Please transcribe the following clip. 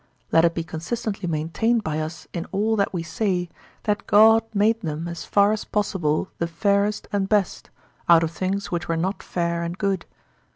Let it be consistently maintained by us in all that we say that God made them as far as possible the fairest and best, out of things which were not fair and good.